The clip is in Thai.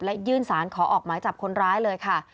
และยื่นสารขอออกหมายจับคนร้ายเลยค่ะ